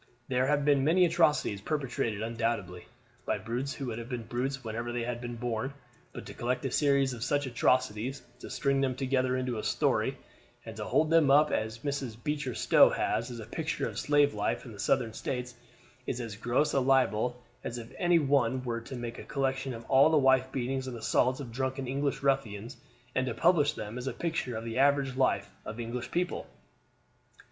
There have been many atrocities perpetrated undoubtedly, by brutes who would have been brutes whenever they had been born; but to collect a series of such atrocities, to string them together into a story, and to hold them up, as Mrs. Beecher Stowe has, as a picture of slave life in the Southern States, is as gross a libel as if any one were to make a collection of all the wife beatings and assaults of drunken English ruffians, and to publish them as a picture of the average life of English people.